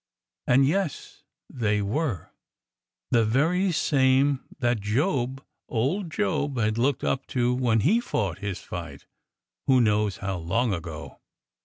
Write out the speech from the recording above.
... And — yes, they were— the very same that Job, old Job, had looked up to when he fought his fight— who knows how long ago!